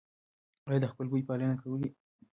ایا د خپلوۍ پالنه کوئ؟